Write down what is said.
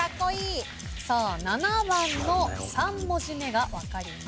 さあ７番の３文字目が分かりました。